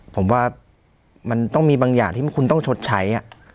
ผมว่ามันต้องมีบางอย่างที่คุณต้องชดใช้